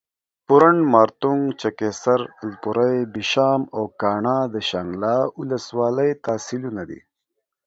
پورڼ، مارتونګ، چکېسر، الپورۍ، بشام او کاڼا د شانګله اولس والۍ تحصیلونه دي